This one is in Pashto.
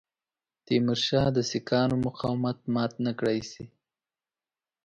تیمورشاه د سیکهانو مقاومت مات نه کړای شي.